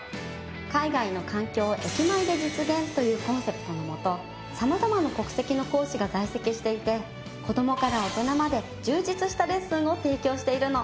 「海外の環境を駅前で実現」というコンセプトのもと様々な国籍の講師が在籍していて子どもから大人まで充実したレッスンを提供しているの。